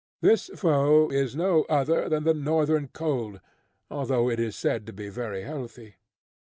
This foe is no other than the Northern cold, although it is said to be very healthy.